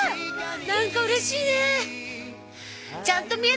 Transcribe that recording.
何かうれしいね。